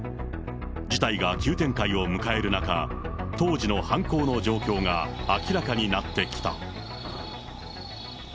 事態が急展開を迎える中、当時の犯行の状況が明らかになってきた。